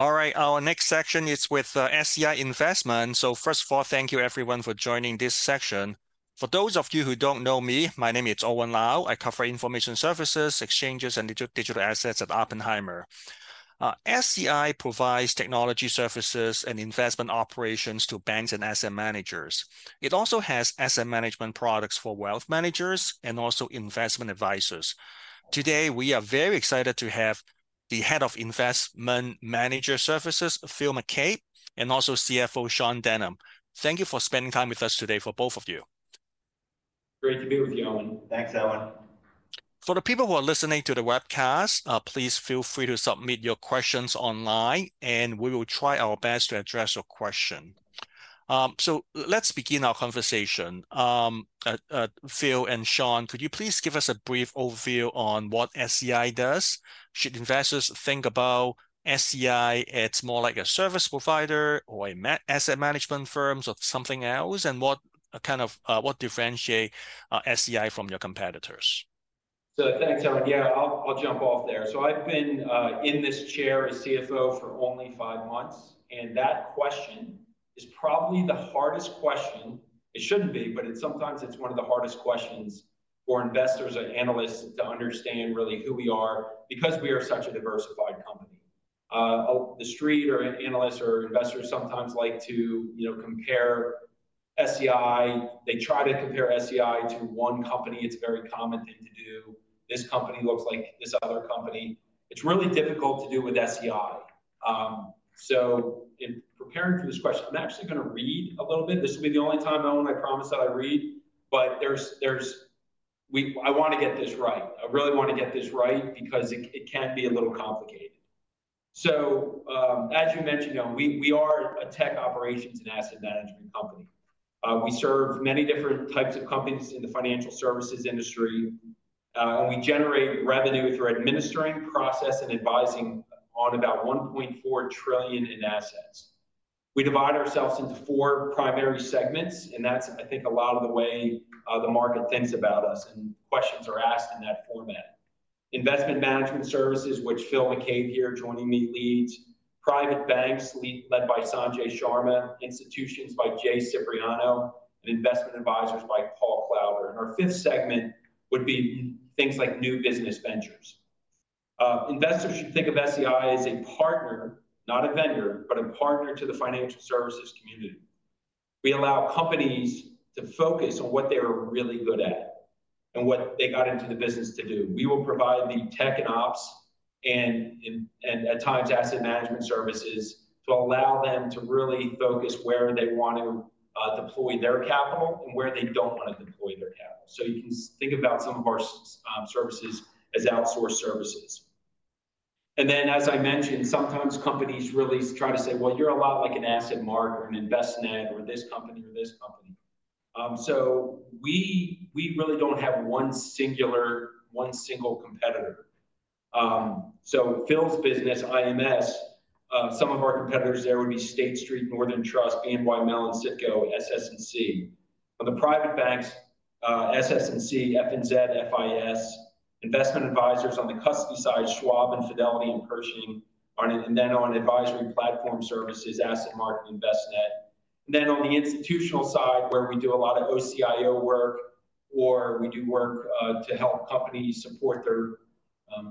All right, our next section is with SEI Investments. So first of all, thank you everyone for joining this session. For those of you who don't know me, my name is Owen Lau. I cover information services, exchanges, and digital assets at Oppenheimer. SEI provides technology services and investment operations to banks and asset managers. It also has asset management products for wealth managers and also Investment Advisors. Today, we are very excited to have the Head of Investment Manager Services, Phil McCabe, and also CFO Sean Denham. Thank you for spending time with us today for both of you. Great to be with you, Owen. Thanks, Owen. For the people who are listening to the webcast, please feel free to submit your questions online, and we will try our best to address your question. So let's begin our conversation. Phil and Sean, could you please give us a brief overview on what SEI does? Should investors think about SEI as more like a service provider or asset management firms or something else? And what kind of... What differentiate SEI from your competitors? So thanks, Owen. Yeah, I'll jump off there. So I've been in this chair as CFO for only five months, and that question is probably the hardest question. It shouldn't be, but it's sometimes one of the hardest questions for investors and analysts to understand really who we are, because we are such a diversified company. The Street or analysts or investors sometimes like to, you know, compare SEI. They try to compare SEI to one company. It's a very common thing to do. This company looks like this other company. It's really difficult to do with SEI. So in preparing for this question, I'm actually gonna read a little bit. This will be the only time, Owen, I promise that I read, but there's – I want to get this right. I really want to get this right because it, it can be a little complicated. So, as you mentioned, Owen, we, we are a tech operations and asset management company. We serve many different types of companies in the financial services industry, and we generate revenue through administering, processing, and advising on about $1.4 trillion in assets. We divide ourselves into four primary segments, and that's, I think, a lot of the way, the market thinks about us, and questions are asked in that format. Investment Manager Services, which Phil McCabe here joining me, leads; Private Banks, led by Sanjay Sharma; Institutions by Jay Cipriano; and Investment Advisors by Paul Klauder. And our fifth segment would be things like new business ventures. Investors should think of SEI as a partner, not a vendor, but a partner to the financial services community. We allow companies to focus on what they are really good at and what they got into the business to do. We will provide the tech and ops, and, and, and at times, asset management services to allow them to really focus where they want to deploy their capital and where they don't want to deploy their capital. So you can think about some of our services as outsourced services. And then, as I mentioned, sometimes companies really try to say: "Well, you're a lot like an AssetMark or an Envestnet, or this company or this company." So we really don't have one single competitor. So Phil's business, IMS, some of our competitors there would be State Street, Northern Trust, BNY Mellon, Citco, SS&C. For the Private Banks, SS&C, FNZ, FIS. Investment Advisors on the custody side, Schwab and Fidelity and Pershing, aren't... And then on advisory platform services, AssetMark and Envestnet. And then on the Institutional side, where we do a lot of OCIO work, or we do work, to help companies support their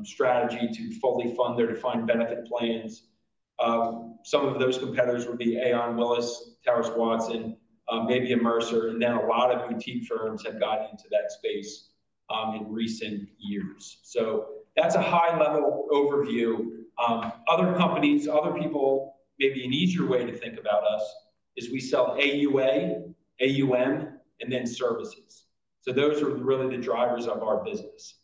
strategy to fully fund their defined benefit plans, some of those competitors would be Aon, Willis Towers Watson, maybe a Mercer, and then a lot of boutique firms have got into that space, in recent years. So that's a high-level overview. Other companies, other people, maybe an easier way to think about us is we sell AUA, AUM, and then services. So those are really the drivers of our business.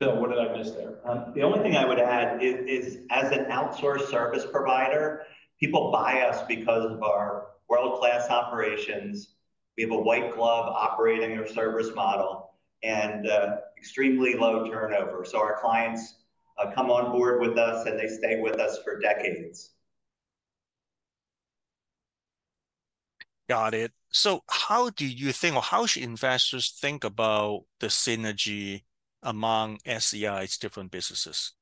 Phil, what did I miss there? The only thing I would add is as an outsourced service provider, people buy us because of our world-class operations. We have a white glove operating or service model and extremely low turnover. So our clients come on board with us, and they stay with us for decades. Got it. So how do you think, or how should investors think about the synergy among SEI's different businesses?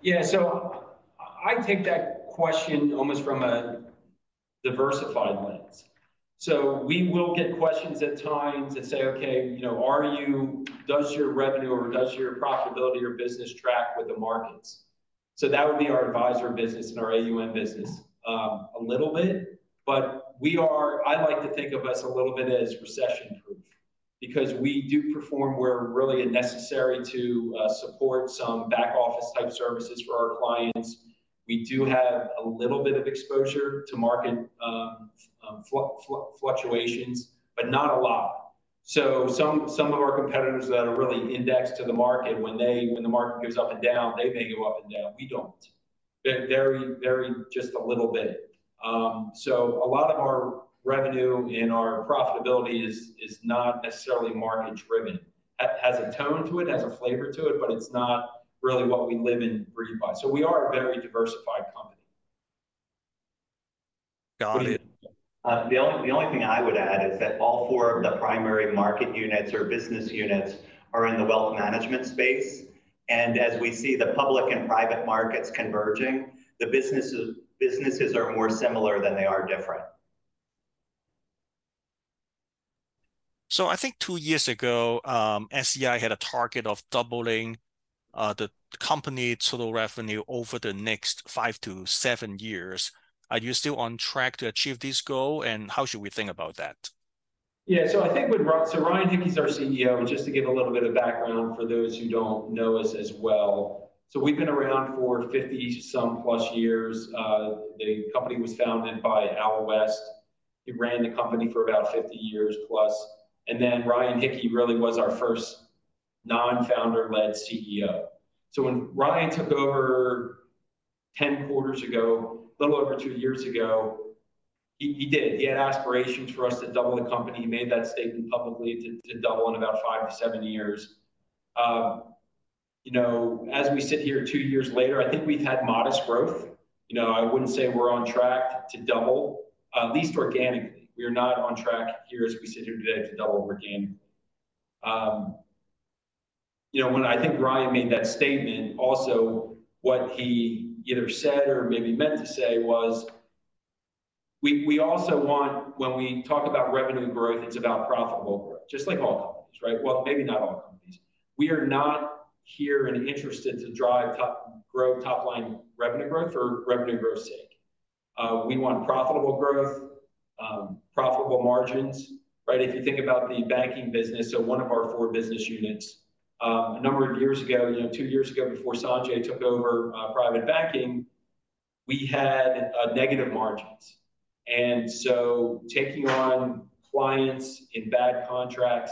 Yeah, so I take that question almost from a diversified lens. So we will get questions at times that say, "Okay, you know, are you—does your revenue or does your profitability or business track with the markets?" So that would be our advisor business and our AUM business a little bit, but I like to think of us a little bit as recession-proof because we do perform where really it's necessary to support some back office type services for our clients. We do have a little bit of exposure to market fluctuations, but not a lot. So some of our competitors that are really indexed to the market, when they, when the market goes up and down, they may go up and down. We don't. They're very, very just a little bit. So a lot of our revenue and our profitability is not necessarily market-driven. It has a tone to it, has a flavor to it, but it's not really what we live and breathe by. So we are a very diversified company. The only thing I would add is that all four of the primary market units or business units are in the wealth management space, and as we see the public and private markets converging, the businesses are more similar than they are different. So I think 2 years ago, SEI had a target of doubling the company total revenue over the next 5-7 years. Are you still on track to achieve this goal, and how should we think about that? Yeah, so I think so Ryan Hicke is our CEO, and just to give a little bit of background for those who don't know us as well. We've been around for 50-some plus years. The company was founded by Al West. He ran the company for about 50 years plus, and then Ryan Hicke really was our first non-founder-led CEO. When Ryan took over 10 quarters ago, a little over 2 years ago, he did. He had aspirations for us to double the company. He made that statement publicly to double in about 5-7 years. You know, as we sit here 2 years later, I think we've had modest growth. You know, I wouldn't say we're on track to double, at least organically. We are not on track here as we sit here today to double organically. You know, when I think Ryan made that statement, also, what he either said or maybe meant to say was, we, we also want—when we talk about revenue growth, it's about profitable growth, just like all companies, right? Well, maybe not all companies. We are not here and interested to drive top—grow top-line revenue growth for revenue growth sake. We want profitable growth, profitable margins, right? If you think about the banking business, so one of our four business units, a number of years ago, you know, two years ago, before Sanjay took over, private banking, we had, negative margins. And so taking on clients in bad contracts,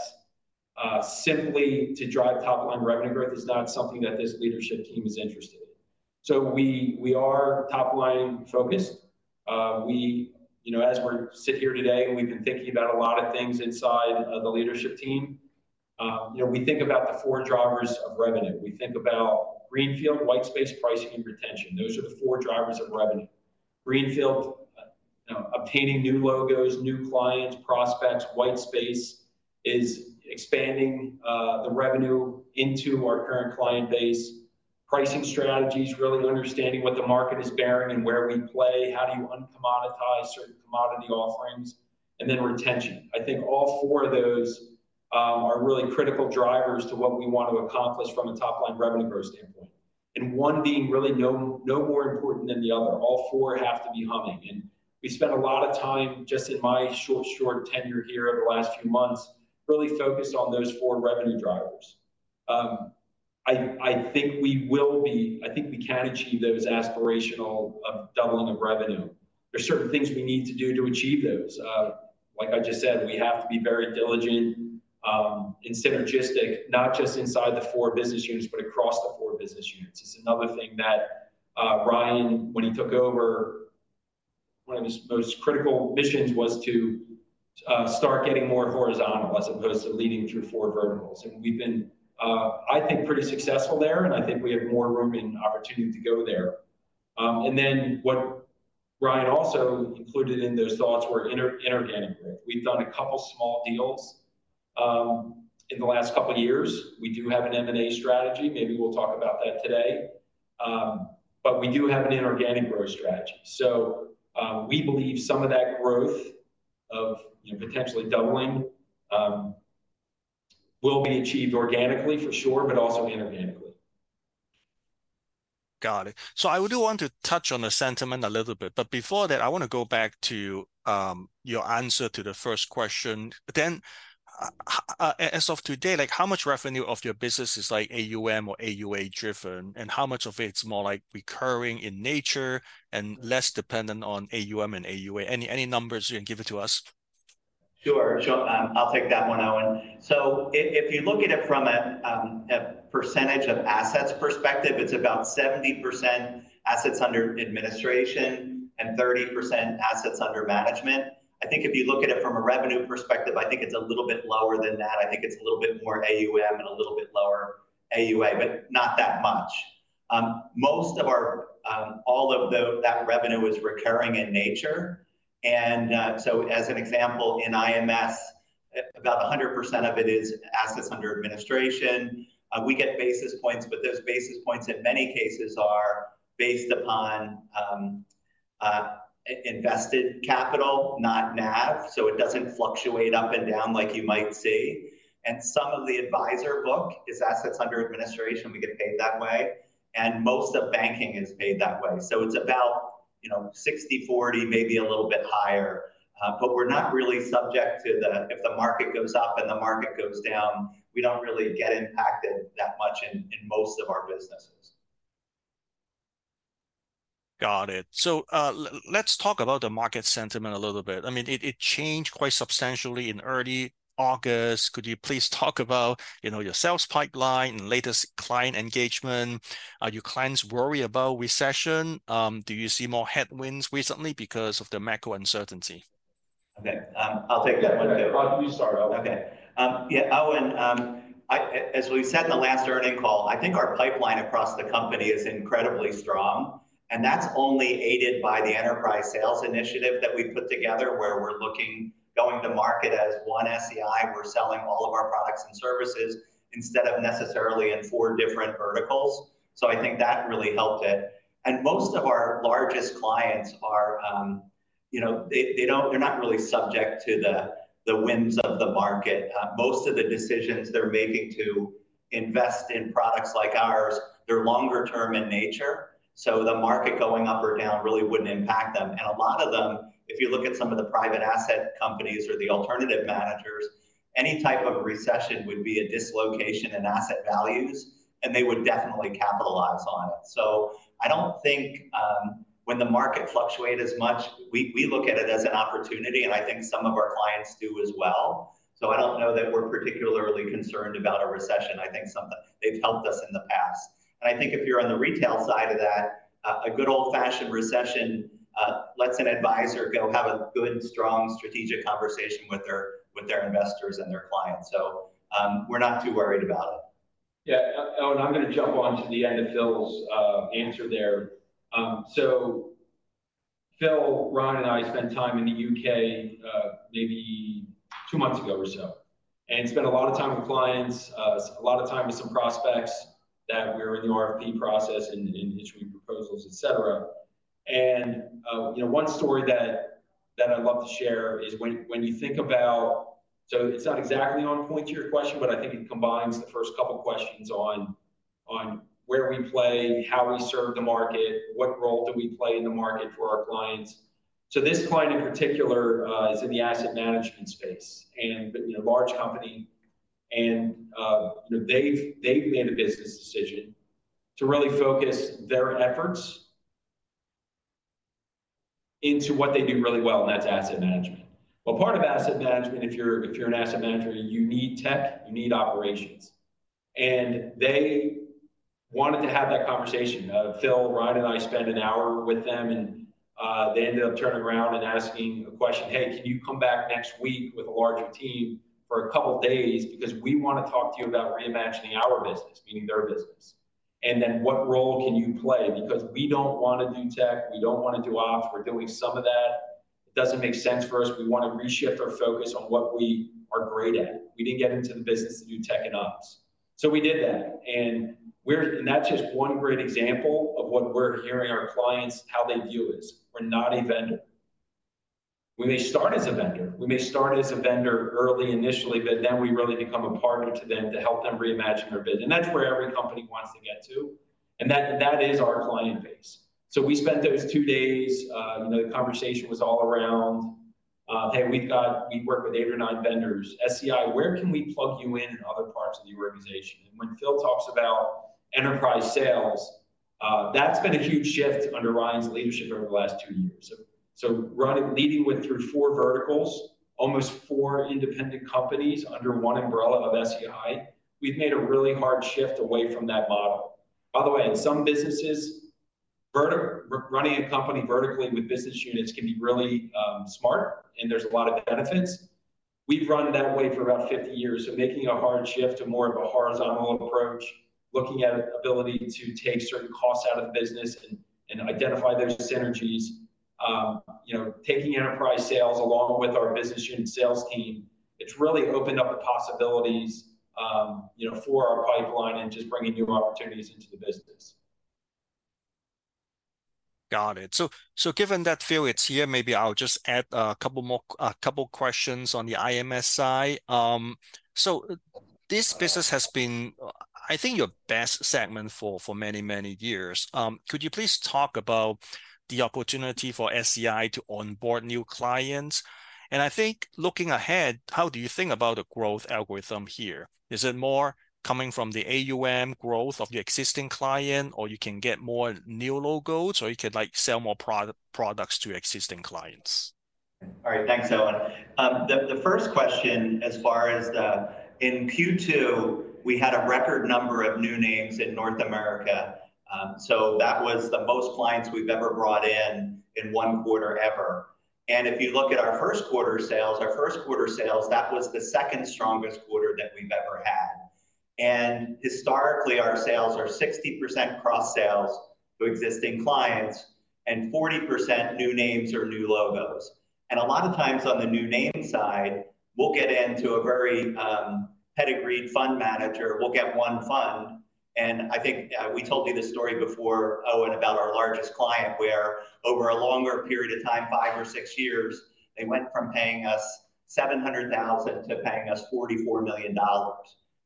simply to drive top-line revenue growth is not something that this leadership team is interested in. So we, we are top-line focused. We... You know, as we're sitting here today, we've been thinking about a lot of things inside the leadership team. You know, we think about the four drivers of revenue. We think about greenfield, white space, pricing, and retention. Those are the four drivers of revenue. Greenfield, you know, obtaining new logos, new clients, prospects. White space is expanding the revenue into our current client base. Pricing strategies, really understanding what the market is bearing and where we play. How do you un-commoditize certain commodity offerings? And then retention. I think all four of those are really critical drivers to what we want to accomplish from a top-line revenue growth standpoint, and one being really no, no more important than the other. All four have to be humming, and we spent a lot of time, just in my short, short tenure here over the last few months, really focused on those four revenue drivers. I think we can achieve those aspirational of doubling of revenue. There are certain things we need to do to achieve those. Like I just said, we have to be very diligent, and synergistic, not just inside the four business units, but across the four business units. It's another thing that, Ryan, when he took over, one of his most critical missions was to start getting more horizontal as opposed to leading through four verticals. And we've been, I think, pretty successful there, and I think we have more room and opportunity to go there. And then what Ryan also included in those thoughts were inorganic growth. We've done a couple small deals in the last couple of years. We do have an M&A strategy. Maybe we'll talk about that today. But we do have an inorganic growth strategy. So, we believe some of that growth of, you know, potentially doubling, will be achieved organically for sure, but also inorganically. Got it. So I do want to touch on the sentiment a little bit, but before that, I want to go back to, your answer to the first question. Then, as of today, like, how much revenue of your business is, like, AUM or AUA driven, and how much of it's more, like, recurring in nature and less dependent on AUM and AUA? Any numbers you can give it to us? Sure, Sure. I'll take that one, Owen. So if you look at it from a percentage of assets perspective, it's about 70% assets under administration and 30% assets under management. I think if you look at it from a revenue perspective, I think it's a little bit lower than that. I think it's a little bit more AUM and a little bit lower AUA, but not that much. Most of our all of the-- that revenue is recurring in nature, and so as an example, in IMS, about 100% of it is assets under administration. We get basis points, but those basis points in many cases are based upon invested capital, not NAV, so it doesn't fluctuate up and down like you might see. And some of the advisor book is assets under administration. We get paid that way, and most of banking is paid that way. So it's about, you know, 60/40, maybe a little bit higher, but we're not really subject to the... If the market goes up and the market goes down, we don't really get impacted that much in most of our businesses. Got it. So, let's talk about the market sentiment a little bit. I mean, it changed quite substantially in early August. Could you please talk about, you know, your sales pipeline and latest client engagement? Are your clients worried about recession? Do you see more headwinds recently because of the macro uncertainty?... Okay, I'll take that one too. Yeah, okay. You start, Owen. Okay. Yeah, Owen, as we said in the last earnings call, I think our pipeline across the company is incredibly strong, and that's only aided by the enterprise sales initiative that we've put together, where we're going to market as one SEI. We're selling all of our products and services, instead of necessarily in four different verticals. So I think that really helped it. And most of our largest clients are, you know, they, they don't-- they're not really subject to the, the whims of the market. Most of the decisions they're making to invest in products like ours, they're longer term in nature, so the market going up or down really wouldn't impact them. And a lot of them, if you look at some of the private asset companies or the alternative managers, any type of recession would be a dislocation in asset values, and they would definitely capitalize on it. So I don't think, when the market fluctuate as much, we, we look at it as an opportunity, and I think some of our clients do as well. So I don't know that we're particularly concerned about a recession. I think they've helped us in the past. And I think if you're on the retail side of that, a good old-fashioned recession lets an advisor go have a good, strong strategic conversation with their, with their investors and their clients. So, we're not too worried about it. Yeah, Owen, I'm gonna jump onto the end of Phil's answer there. So Phil, Ryan, and I spent time in the UK, maybe two months ago or so, and spent a lot of time with clients, a lot of time with some prospects that we're in the RFP process and in issuing proposals, et cetera. And, you know, one story that I'd love to share is when you think about. So it's not exactly on point to your question, but I think it combines the first couple questions on where we play, how we serve the market, what role do we play in the market for our clients? So this client in particular is in the asset management space, and, but, you know, large company, and, you know, they've made a business decision to really focus their efforts into what they do really well, and that's asset management. Well, part of asset management, if you're an asset manager, you need tech, you need operations, and they wanted to have that conversation. Phil, Ryan, and I spent an hour with them, and, they ended up turning around and asking a question: "Hey, can you come back next week with a larger team for a couple of days? Because we want to talk to you about reimagining our business," meaning their business. "And then, what role can you play? Because we don't want to do tech, we don't want to do ops. We're doing some of that. It doesn't make sense for us. We want to reshift our focus on what we are great at. We didn't get into the business to do tech and ops." So we did that, and we're, and that's just one great example of what we're hearing our clients, how they view us. We're not a vendor. We may start as a vendor. We may start as a vendor early initially, but then we really become a partner to them to help them reimagine their business, and that's where every company wants to get to, and that, that is our client base. So we spent those two days, you know, the conversation was all around: "Hey, we've worked with eight or nine vendors. SEI, where can we plug you in in other parts of the organization?" And when Phil talks about enterprise sales, that's been a huge shift under Ryan's leadership over the last 2 years. So, leading through 4 verticals, almost 4 independent companies under one umbrella of SEI, we've made a really hard shift away from that model. By the way, in some businesses, running a company vertically with business units can be really smart, and there's a lot of benefits. We've run that way for about 50 years, so making a hard shift to more of a horizontal approach, looking at ability to take certain costs out of the business and, and identify those synergies, you know, taking enterprise sales along with our business unit sales team, it's really opened up the possibilities, you know, for our pipeline and just bringing new opportunities into the business. Got it. So, so given that Phil is here, maybe I'll just add a couple more, a couple questions on the IMS. So this business has been, I think, your best segment for, for many, many years. Could you please talk about the opportunity for SEI to onboard new clients? And I think looking ahead, how do you think about a growth algorithm here? Is it more coming from the AUM growth of your existing client, or you can get more new logos, or you can, like, sell more products to existing clients? All right. Thanks, Owen. The first question, as far as the... In Q2, we had a record number of new names in North America. So that was the most clients we've ever brought in, in one quarter ever. And if you look at our first quarter sales, our first quarter sales, that was the second strongest quarter that we've ever had. And historically, our sales are 60% cross sales to existing clients and 40% new names or new logos. And a lot of times on the new name side, we'll get into a very pedigreed fund manager, we'll get one fund. And I think we told you this story before, Owen, about our largest client, where over a longer period of time, 5 or 6 years, they went from paying us $700,000 to paying us $44 million,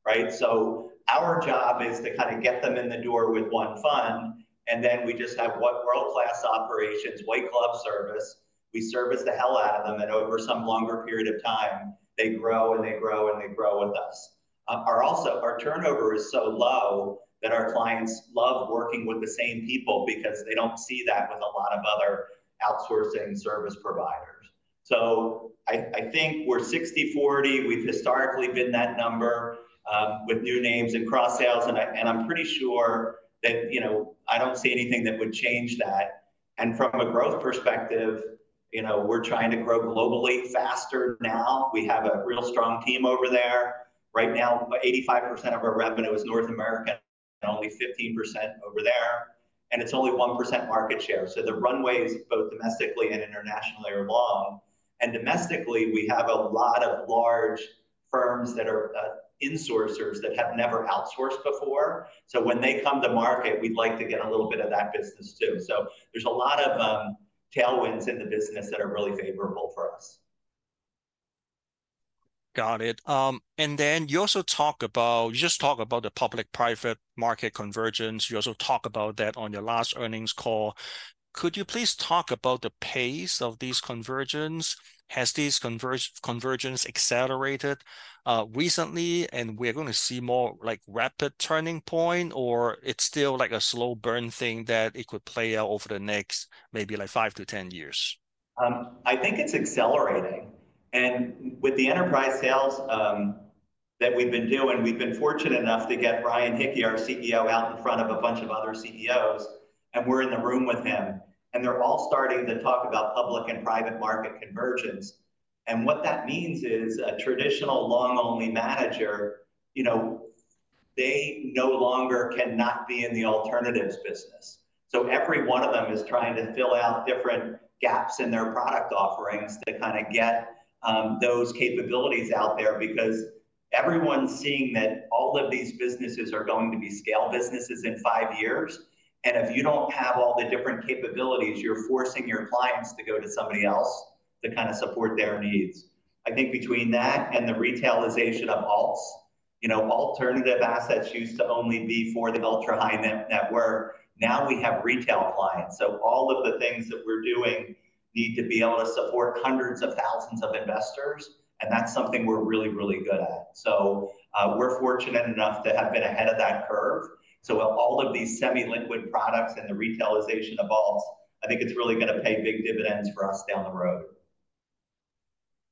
right? So our job is to kinda get them in the door with one fund, and then we just have one world-class operations, white glove service. We service the hell out of them, and over some longer period of time, they grow, and they grow, and they grow with us. Our also, our turnover is so low that our clients love working with the same people because they don't see that with a lot of other outsourcing service providers. So I, I think we're 60/40. We've historically been that number, with new names and cross sales, and I, and I'm pretty sure that, you know, I don't see anything that would change that.... And from a growth perspective, you know, we're trying to grow globally faster now. We have a real strong team over there. Right now, 85% of our revenue is North American, and only 15% over there, and it's only 1% market share. So the runways, both domestically and internationally, are long, and domestically, we have a lot of large firms that are insourcers that have never outsourced before. So when they come to market, we'd like to get a little bit of that business, too. So there's a lot of tailwinds in the business that are really favorable for us. Got it. And then you also talk about—you just talk about the public-private market convergence. You also talk about that on your last earnings call. Could you please talk about the pace of these convergence? Has these convergence accelerated, recently, and we are gonna see more, like, rapid turning point, or it's still like a slow burn thing that it could play out over the next maybe, like, five to 10 years? I think it's accelerating, and with the enterprise sales that we've been doing, we've been fortunate enough to get Ryan Hicke, our CEO, out in front of a bunch of other CEOs, and we're in the room with him. And they're all starting to talk about public and private market convergence. And what that means is a traditional long-only manager, you know, they no longer cannot be in the alternatives business. So every one of them is trying to fill out different gaps in their product offerings to kind of get those capabilities out there because everyone's seeing that all of these businesses are going to be scale businesses in five years. And if you don't have all the different capabilities, you're forcing your clients to go to somebody else to kind of support their needs. I think between that and the retailization of alts, you know, alternative assets used to only be for the ultra-high net worth. Now we have retail clients, so all of the things that we're doing need to be able to support hundreds of thousands of investors, and that's something we're really, really good at. So, we're fortunate enough to have been ahead of that curve. So all of these semi-liquid products and the retailization of alts, I think it's really gonna pay big dividends for us down the road.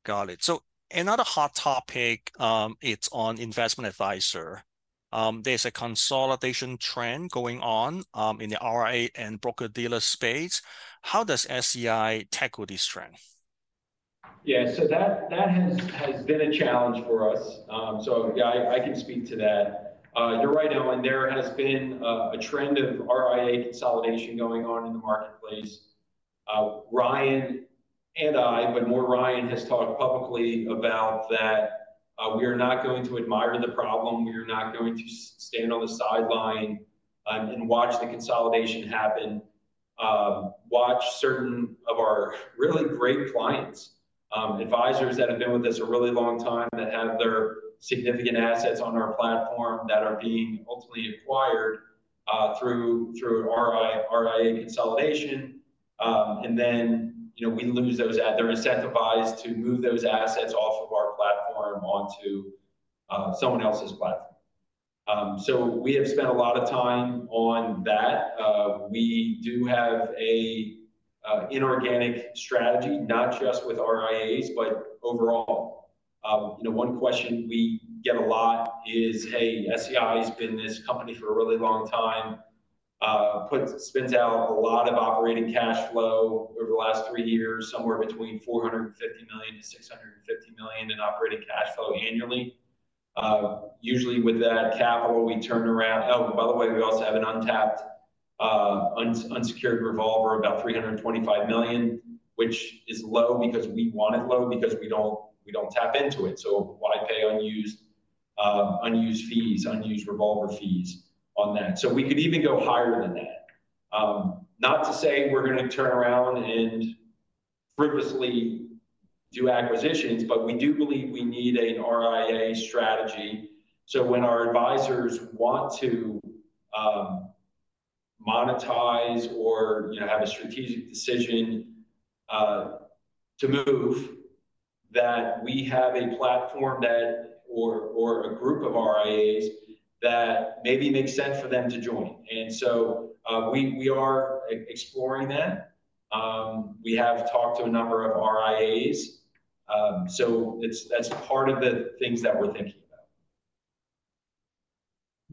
Got it. So another hot topic, it's on investment advisor. There's a consolidation trend going on, in the RIA and broker-dealer space. How does SEI tackle this trend? Yeah, so that has been a challenge for us. So, yeah, I can speak to that. You're right, Owen, there has been a trend of RIA consolidation going on in the marketplace. Ryan and I, but more Ryan, has talked publicly about that. We are not going to admire the problem. We are not going to stand on the sideline and watch the consolidation happen, watch certain of our really great clients, advisors that have been with us a really long time, that have their significant assets on our platform, that are being ultimately acquired through an RIA consolidation. And then, you know, we lose those assets. They're incentivized to move those assets off of our platform onto someone else's platform. So we have spent a lot of time on that. We do have a inorganic strategy, not just with RIAs, but overall. You know, one question we get a lot is, "Hey, SEI has been this company for a really long time," spends out a lot of operating cash flow over the last three years, somewhere between $450 million-$650 million in operating cash flow annually. Usually, with that capital, we turn around... Oh, and by the way, we also have an untapped unsecured revolver, about $325 million, which is low because we want it low because we don't, we don't tap into it. So why pay unused unused revolver fees on that? So we could even go higher than that. Not to say we're gonna turn around and frivolously do acquisitions, but we do believe we need an RIA strategy. So when our advisors want to monetize or, you know, have a strategic decision to move, that we have a platform that or a group of RIAs that maybe makes sense for them to join. And so we are exploring that. We have talked to a number of RIAs, so that's part of the things that we're thinking about.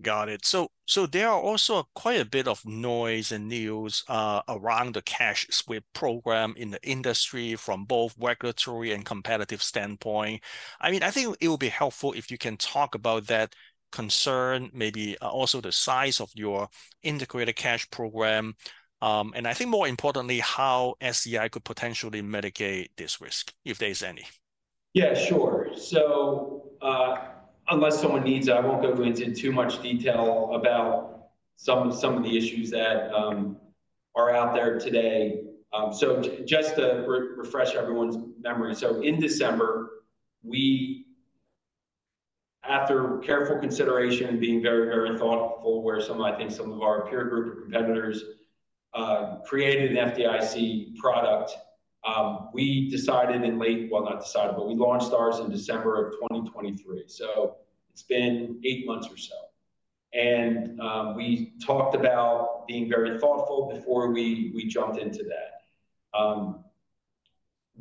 Got it. So, so there are also quite a bit of noise and news around the cash sweep program in the industry from both regulatory and competitive standpoint. I mean, I think it would be helpful if you can talk about that concern, maybe also the size of your integrated cash program, and I think more importantly, how SEI could potentially mitigate this risk, if there's any. Yeah, sure. So, unless someone needs, I won't go into too much detail about some of the issues that are out there today. So just to refresh everyone's memory, so in December, we, after careful consideration and being very, very thoughtful, where I think some of our peer group competitors created an FDIC product, we decided in late, well, not decided, but we launched ours in December of 2023. So it's been 8 months or so, and we talked about being very thoughtful before we jumped into that.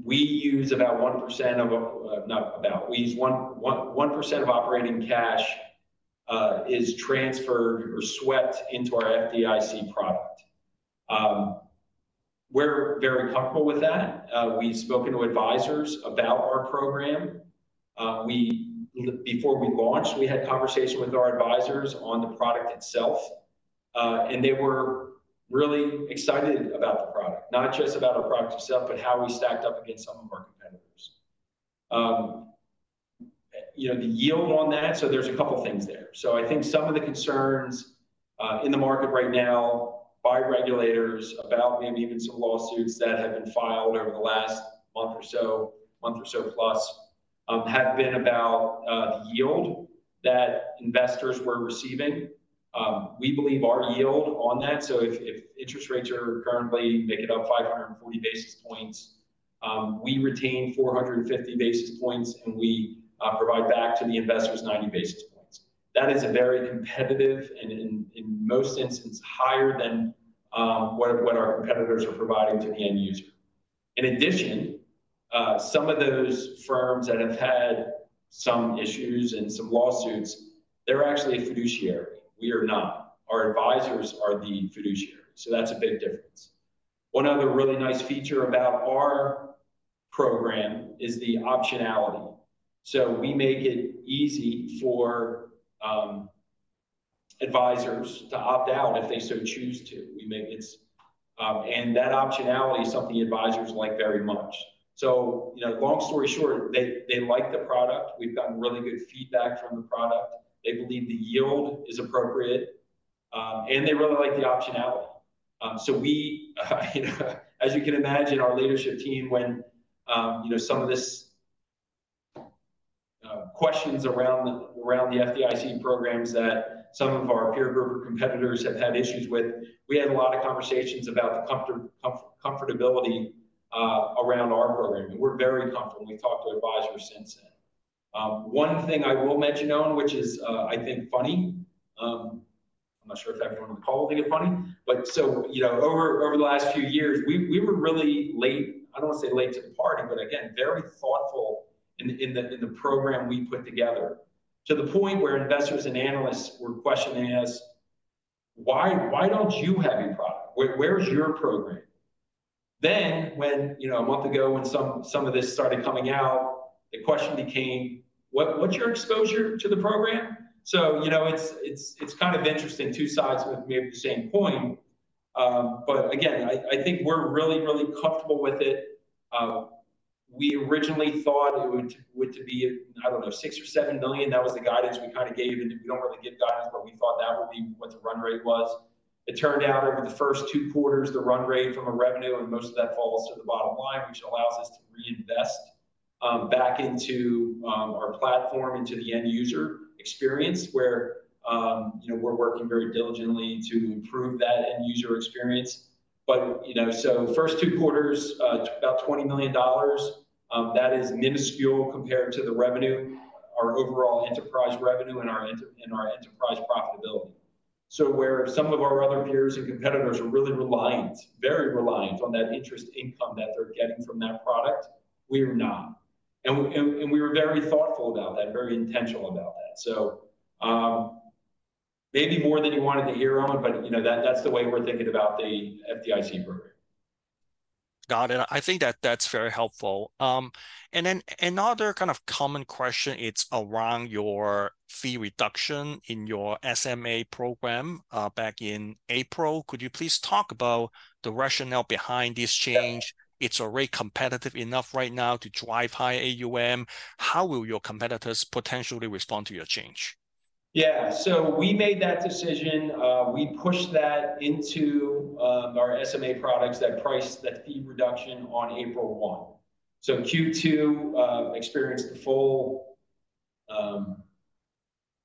We use about 1% of, not about, we use 1% of operating cash is transferred or swept into our FDIC product. We're very comfortable with that. We've spoken to advisors about our program. Before we launched, we had conversation with our advisors on the product itself, and they were really excited about the product. Not just about our product itself, but how we stacked up against some of our competitors. You know, the yield on that, so there's a couple things there. So I think some of the concerns in the market right now by regulators about maybe even some lawsuits that have been filed over the last month or so, month or so plus, have been about the yield that investors were receiving. We believe our yield on that, so if interest rates are currently making up 540 basis points, we retain 450 basis points, and we provide back to the investors 90 basis points. That is a very competitive, and in most instances, higher than what our competitors are providing to the end user. In addition, some of those firms that have had some issues and some lawsuits, they're actually a fiduciary. We are not. Our advisors are the fiduciaries, so that's a big difference. One other really nice feature about our program is the optionality. So we make it easy for advisors to opt out if they so choose to. And that optionality is something the advisors like very much. So, you know, long story short, they like the product. We've gotten really good feedback from the product. They believe the yield is appropriate, and they really like the optionality. So we, you know, as you can imagine, our leadership team, when, you know, some of this questions around the FDIC programs that some of our peer group or competitors have had issues with, we had a lot of conversations about the comfortability around our program, and we're very comfortable, and we've talked to advisors since then. One thing I will mention, Owen, which is, I think funny, I'm not sure if everyone in the call will think it's funny, but so, you know, over the last few years, we were really late, I don't want to say late to the party, but again, very thoughtful in the program we put together, to the point where investors and analysts were questioning us, "Why, why don't you have a product? Where's your program?" Then when, you know, a month ago, when some of this started coming out, the question became, "What's your exposure to the program?" So, you know, it's kind of interesting, two sides of maybe the same coin. But again, I think we're really, really comfortable with it. We originally thought it would to be, I don't know, $6 billion or $7 billion. That was the guidance we kind of gave, and we don't really give guidance, but we thought that would be what the run rate was. It turned out over the first two quarters, the run rate from a revenue, and most of that falls to the bottom line, which allows us to reinvest back into our platform, into the end user experience, where you know, we're working very diligently to improve that end user experience. But you know, so first two quarters, about $20 million. That is minuscule compared to the revenue, our overall enterprise revenue and our enterprise profitability. So where some of our other peers and competitors are really reliant, very reliant on that interest income that they're getting from that product, we are not. And we were very thoughtful about that, very intentional about that. So maybe more than you wanted to hear, Owen, but you know, that, that's the way we're thinking about the FDIC program. Got it. I think that that's very helpful. And then another kind of common question, it's around your fee reduction in your SMA program, back in April. Could you please talk about the rationale behind this change? It's already competitive enough right now to drive high AUM. How will your competitors potentially respond to your change? Yeah. So we made that decision, we pushed that into our SMA products, that price, that fee reduction on April 1. So Q2 experienced the full,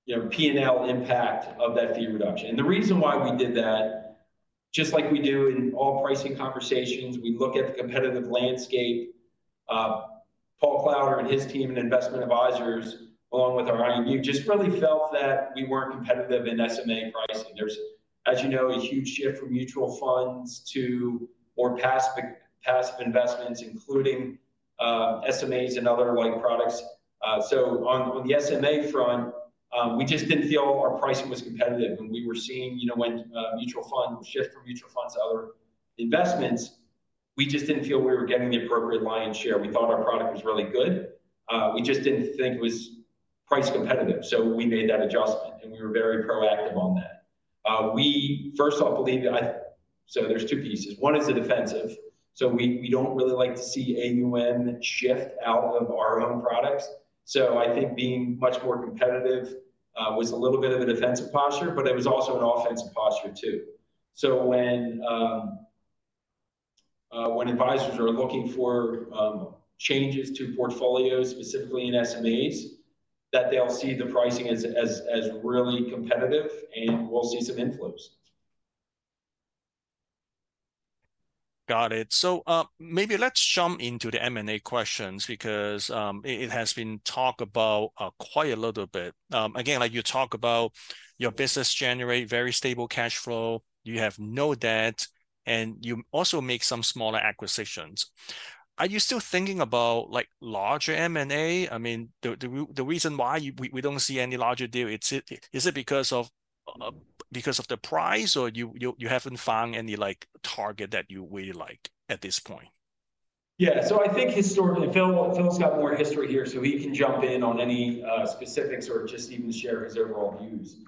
you know, P&L impact of that fee reduction. And the reason why we did that, just like we do in all pricing conversations, we look at the competitive landscape. Paul Klauder and his team in Investment Advisors, along with our IBU, just really felt that we weren't competitive in SMA pricing. There's, as you know, a huge shift from mutual funds to more passive, passive investments, including SMAs and other like products. So on the SMA front, we just didn't feel our pricing was competitive, and we were seeing, you know, when mutual funds shift from mutual funds to other investments, we just didn't feel we were getting the appropriate lion's share. We thought our product was really good, we just didn't think it was price competitive. So we made that adjustment, and we were very proactive on that. We first of all believed that. So there's two pieces: one is the defensive. So we, we don't really like to see AUM shift out of our own products. So I think being much more competitive, was a little bit of a defensive posture, but it was also an offensive posture, too. So when, when advisors are looking for, changes to portfolios, specifically in SMAs, that they'll see the pricing as, as, as really competitive, and we'll see some inflows. Got it. So, maybe let's jump into the M&A questions because it has been talked about quite a little bit. Again, like, you talk about your business generate very stable cash flow, you have no debt and you also make some smaller acquisitions. Are you still thinking about, like, larger M&A? I mean, the reason why we don't see any larger deal, is it because of because of the price, or you haven't found any, like, target that you really like at this point? Yeah. So I think historically, Phil, Phil's got more history here, so he can jump in on any specifics or just even share his overall views.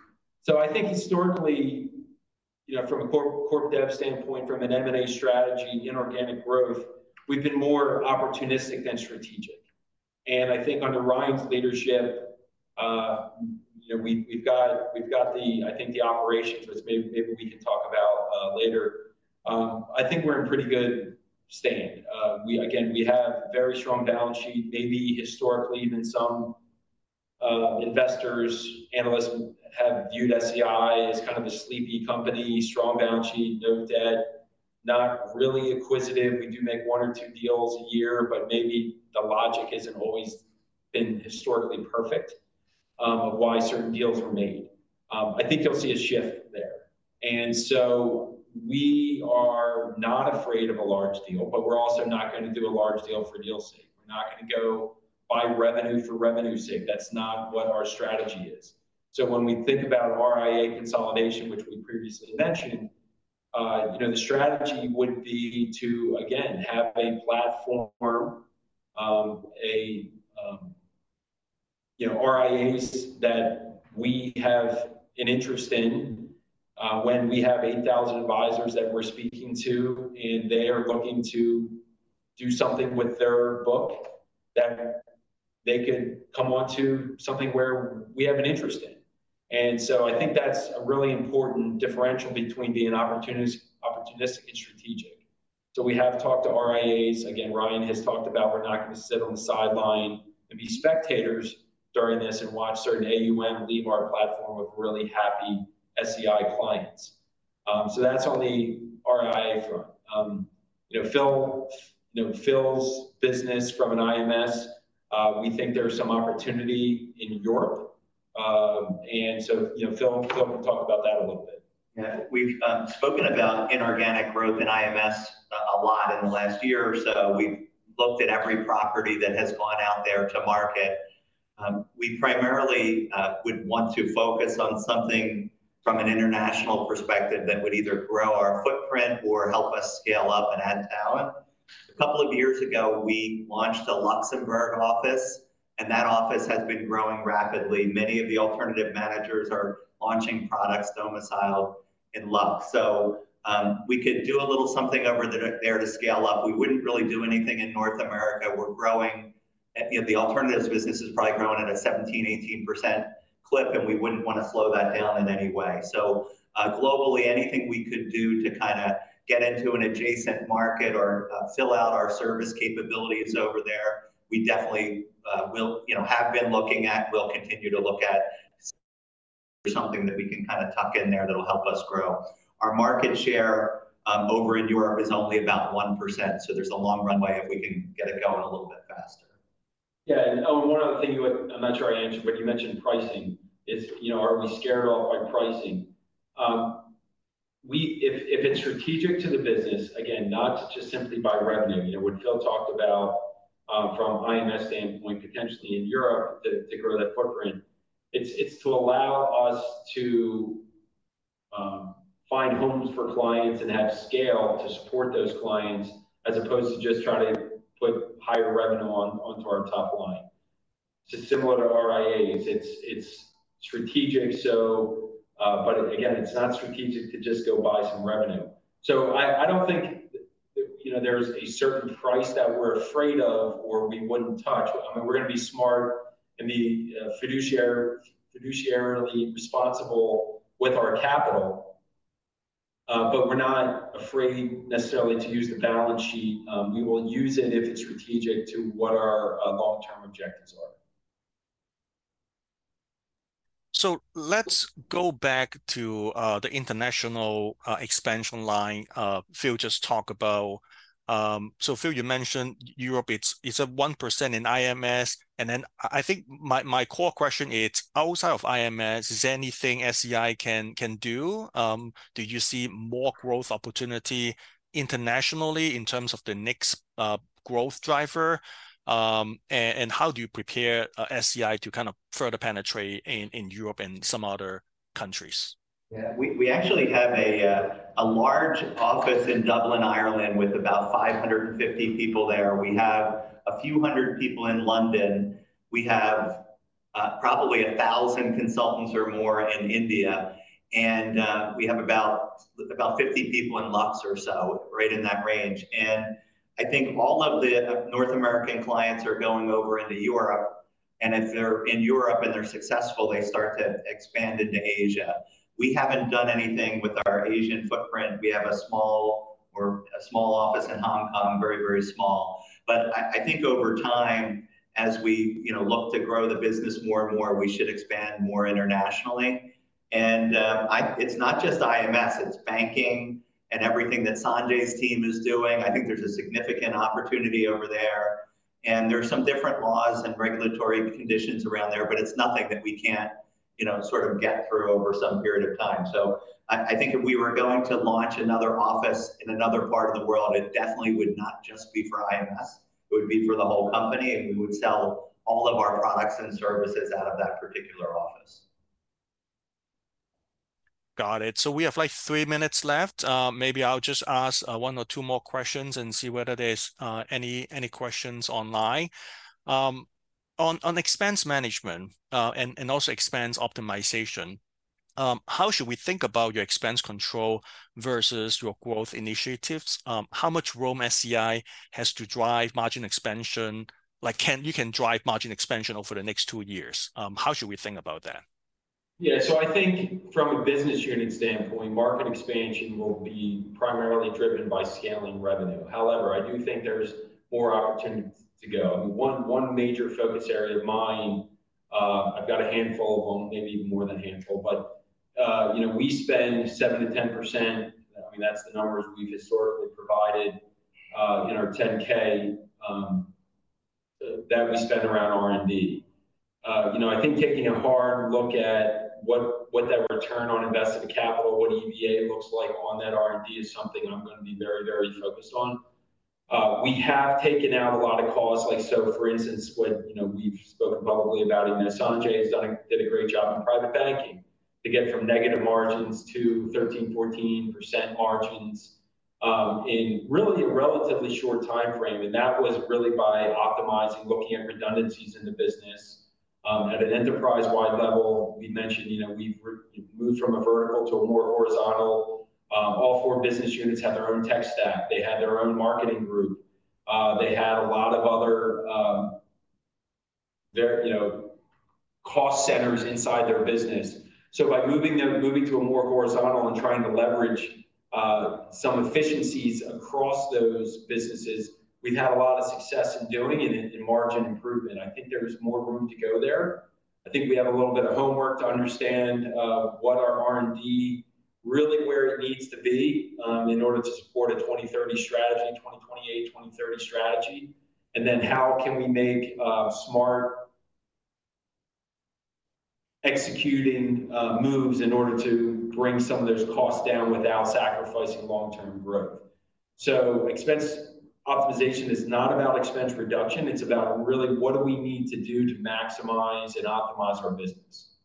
So I think historically, you know, from a corp- corp dev standpoint, from an M&A strategy, inorganic growth, we've been more opportunistic than strategic. And I think under Ryan's leadership, you know, we've, we've got, we've got the, I think, the operations that maybe we can talk about later. I think we're in pretty good standing. We-- again, we have very strong balance sheet, maybe historically, even some investors, analysts have viewed SEI as kind of a sleepy company, strong balance sheet, no debt, not really acquisitive. We do make one or two deals a year, but maybe the logic isn't always been historically perfect of why certain deals were made. I think you'll see a shift there. And so we are not afraid of a large deal, but we're also not gonna do a large deal for deal's sake. We're not gonna go buy revenue for revenue's sake. That's not what our strategy is. So when we think about RIA consolidation, which we previously mentioned, you know, the strategy would be to, again, have a platform, RIAs that we have an interest in, when we have 8,000 advisors that we're speaking to, and they are looking to do something with their book, that they could come on to something where we have an interest in. And so I think that's a really important differential between being opportunistic and strategic. So we have talked to RIAs. Again, Ryan has talked about we're not going to sit on the sideline and be spectators during this and watch certain AUM leave our platform with really happy SEI clients. So that's on the RIA front. You know, Phil, you know, Phil's business from an IMS, we think there is some opportunity in Europe. And so, you know, Phil, Phil can talk about that a little bit. Yeah. We've spoken about inorganic growth in IMS a lot in the last year or so. We've looked at every property that has gone out there to market. We primarily would want to focus on something from an international perspective that would either grow our footprint or help us scale up and add talent. A couple of years ago, we launched a Luxembourg office, and that office has been growing rapidly. Many of the alternative managers are launching products domicile in Lux. So, we could do a little something over there to scale up. We wouldn't really do anything in North America. We're growing. You know, the alternatives business is probably growing at a 17%-18% clip, and we wouldn't want to slow that down in any way. So, globally, anything we could do to kind of get into an adjacent market or, fill out our service capabilities over there, we definitely, will—you know, have been looking at, we'll continue to look at something that we can kind of tuck in there that'll help us grow. Our market share, over in Europe is only about 1%, so there's a long runway if we can get it going a little bit faster. Yeah, and, oh, one other thing you, I'm not sure I answered, but you mentioned pricing is, you know, are we scared off by pricing? We—if, if it's strategic to the business, again, not just simply by revenue, you know, what Phil talked about, from IMS standpoint, potentially in Europe, to, to grow that footprint, it's, it's to allow us to find homes for clients and have scale to support those clients, as opposed to just trying to put higher revenue onto our top line. So similar to RIAs, it's, it's strategic, so, but again, it's not strategic to just go buy some revenue. So I, I don't think, you know, there's a certain price that we're afraid of or we wouldn't touch. I mean, we're going to be smart and be fiduciarily responsible with our capital, but we're not afraid necessarily to use the balance sheet. We will use it if it's strategic to what our long-term objectives are. So let's go back to the international expansion line Phil just talked about. So Phil, you mentioned Europe, it's at 1% in IMS. And then I think my core question is, outside of IMS, is there anything SEI can do? Do you see more growth opportunity internationally in terms of the next growth driver? And how do you prepare SEI to kind of further penetrate in Europe and some other countries? Yeah, we, we actually have a, a large office in Dublin, Ireland, with about 550 people there. We have a few hundred people in London. We have, probably 1,000 consultants or more in India, and, we have about, about 50 people in Lux or so, right in that range. And I think all of the North American clients are going over into Europe, and if they're in Europe and they're successful, they start to expand into Asia. We haven't done anything with our Asian footprint. We have a small, or a small office in Hong Kong, very, very small. But I, I think over time, as we, you know, look to grow the business more and more, we should expand more internationally. And, it's not just IMS, it's banking and everything that Sanjay's team is doing. I think there's a significant opportunity over there.... and there are some different laws and regulatory conditions around there, but it's nothing that we can't, you know, sort of get through over some period of time. So I think if we were going to launch another office in another part of the world, it definitely would not just be for IMS, it would be for the whole company, and we would sell all of our products and services out of that particular office. Got it. So we have, like, three minutes left. Maybe I'll just ask one or two more questions and see whether there's any questions online. On expense management and also expense optimization, how should we think about your expense control versus your growth initiatives? How much room SEI has to drive margin expansion? Like, you can drive margin expansion over the next two years. How should we think about that? Yeah. So I think from a business unit standpoint, market expansion will be primarily driven by scaling revenue. However, I do think there's more opportunities to go. I mean, one, one major focus area of mine, I've got a handful of them, maybe even more than a handful, but, you know, we spend 7%-10%, I mean, that's the numbers we've historically provided, in our 10-K, that we spend around R&D. You know, I think taking a hard look at what, what that return on invested capital, what EVA looks like on that R&D, is something I'm going to be very, very focused on. We have taken out a lot of costs, like, so for instance, what, you know, we've spoken publicly about, I mean, Sanjay has done a great job in private banking to get from negative margins to 13%-14% margins, in really a relatively short timeframe. And that was really by optimizing, looking at redundancies in the business. At an enterprise-wide level, we mentioned, you know, we've removed from a vertical to a more horizontal. All four business units had their own tech stack. They had their own marketing group. They had a lot of other, their, you know, cost centers inside their business. So by moving to a more horizontal and trying to leverage, some efficiencies across those businesses, we've had a lot of success in doing it in margin improvement. I think there is more room to go there. I think we have a little bit of homework to understand, what our R&D really where it needs to be, in order to support a 2030 strategy, 2028, 2030 strategy. And then, how can we make smart executing moves in order to bring some of those costs down without sacrificing long-term growth? So expense optimization is not about expense reduction, it's about really what do we need to do to maximize and optimize our business.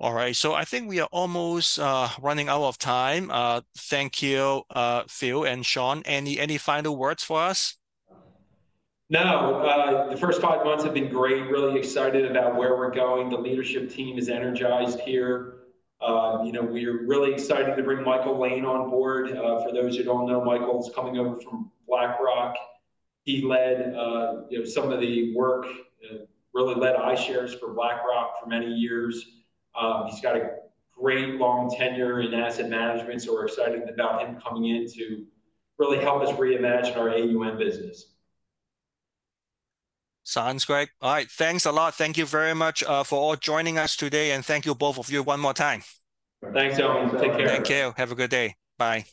All right, so I think we are almost running out of time. Thank you, Phil and Sean. Any final words for us? No. The first five months have been great. Really excited about where we're going. The leadership team is energized here. You know, we're really excited to bring Michael Lane on board. For those who don't know, Michael's coming over from BlackRock. He led, really led iShares for BlackRock for many years. He's got a great long tenure in asset management, so we're excited about him coming in to really help us reimagine our AUM business. Sounds great. All right, thanks a lot. Thank you very much for all joining us today, and thank you, both of you, one more time. Thanks, everyone. Take care. Thank you. Have a good day. Bye.